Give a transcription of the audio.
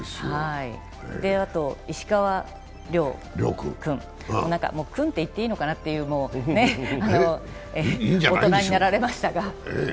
あと石川遼君、「君」って言っていいのかなという大人になられましたが。